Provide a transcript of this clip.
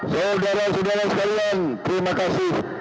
saudara sekalian terima kasih